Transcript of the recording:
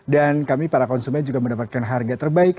dan kami para konsumen juga mendapatkan harga terbaik